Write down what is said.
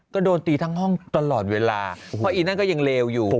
ก็โดนตีทั้งห้องตลอดเวลาเพราะอีนั่นก็ยังเลวอยู่